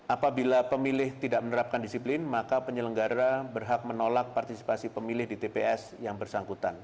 apabila pemilih tidak menerapkan disiplin maka penyelenggara berhak menolak partisipasi pemilih di tps yang bersangkutan